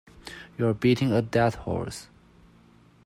You're beating a dead horse